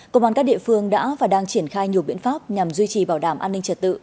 công an các địa phương đã và đang triển khai nhiều biện pháp nhằm duy trì bảo đảm an ninh trật tự